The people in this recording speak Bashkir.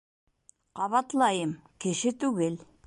— Ҡабатлайым: кеше түгел.